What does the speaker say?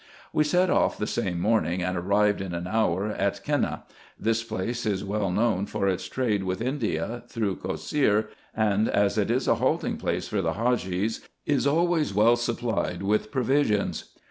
We set off the same morning, and arrived in an hour at Kenneh. This place is well known for its trade with India through Cosseir, and as it is a halting place for the Hadgees, is always well supplied with provisions.